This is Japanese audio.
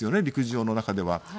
陸上の中では。